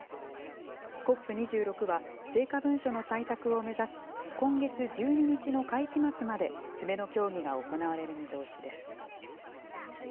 ＣＯＰ２６は、成果文書の採択を目指し、今月１２日の会期末まで詰めの協議が行われる見通しです。